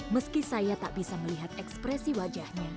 meski saya tak bisa melihat ekspresi wajahnya